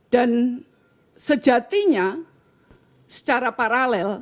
dan sejatinya secara paralel